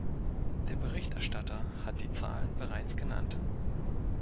Der Berichterstatter hat die Zahlen bereits genannt.